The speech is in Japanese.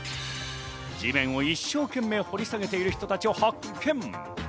地面を一生懸命掘り下げている人たちを発見。